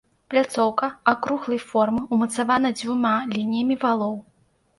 Пляцоўка акруглай формы, умацавана дзвюма лініямі валоў.